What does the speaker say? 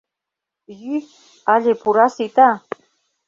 Йӱ, але пура сита...